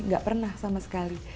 gak pernah sama sekali